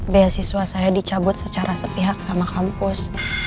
beasiswa saya dicabut secara sepihak sama kampus